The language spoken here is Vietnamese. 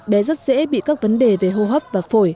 bé rất dễ bị các vấn đề về hô hấp và phổi